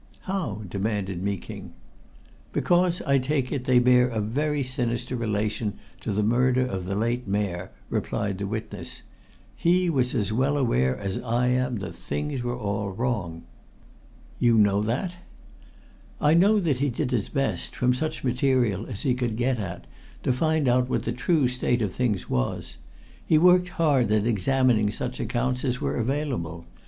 "How?" demanded Meeking. "Because, I take it, they bear a very sinister relation to the murder of the late Mayor," replied the witness. "He was as well aware as I am that things were all wrong." "You know that?" "I know that he did his best, from such material as he could get at, to find out what the true state of things was. He worked hard at examining such accounts as were available.